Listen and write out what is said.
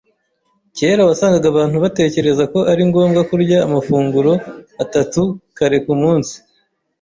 Kera wasangaga abantu batekereza ko ari ngombwa kurya amafunguro atatu kare kumunsi.